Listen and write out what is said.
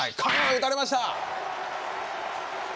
打たれました！